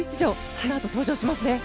このあと登場しますね。